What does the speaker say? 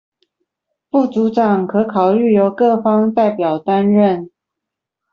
副組長可考慮由各方代表擔任